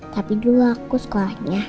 tapi dulu aku sekolahnya